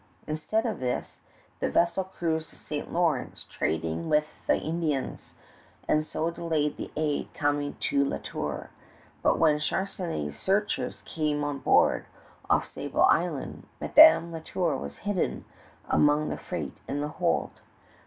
Instead of this, the vessel cruised the St. Lawrence, trading with the Indians, and so delayed the aid coming to La Tour; but when Charnisay's searchers came on board off Sable Island, Madame La Tour was hidden among the freight in the hold.